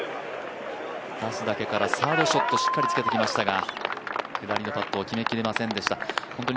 出すだけからサードショットしっかりつけてきましたが、決めきれませんでした。